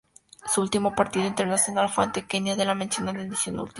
Su último partido internacional fue ante Kenia en la mencionada edición última.